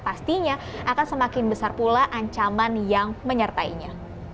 pastinya akan semakin besar pula ancaman yang menyertainya